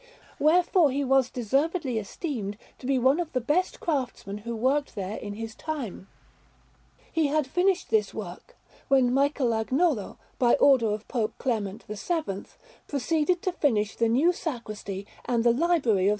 Wherefore he was deservedly esteemed to be one of the best craftsmen who worked there in his time. He had finished this work, when Michelagnolo, by order of Pope Clement VII, proceeded to finish the new sacristy and the library of S.